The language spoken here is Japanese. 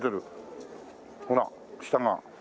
ほら舌が。